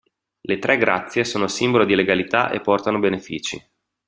Le tre grazie sono simbolo di legalità e portano benefici.